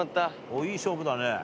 いい勝負だね。